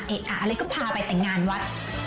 เอ๊ะอ่ะอะไรก็พาไปแต่งงานวัด